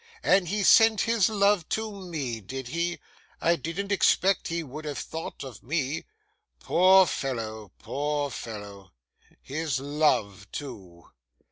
And he sent his love to me, did he? I didn't expect he would have thought of me. Poor fellow, poor fellow! His love too!